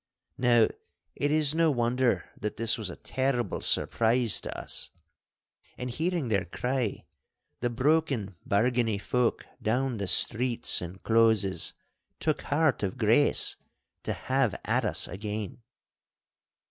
Now, it is no wonder that this was a terrible surprise to us, and, hearing their cry, the broken Bargany folk down the streets and closes took heart of grace to have at us again.